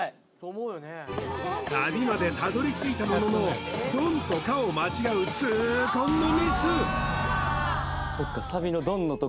サビまでたどりついたものの「ドン」と「カッ」を間違う痛恨のミスんですね